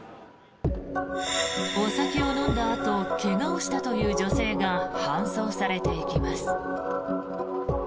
お酒を飲んだあと怪我をしたという女性が搬送されていきます。